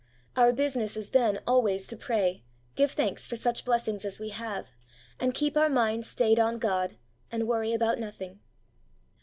Our business is, then, always to pray, give thanks for such blessings as we have, and keep our minds stayed on God, and worry about nothing.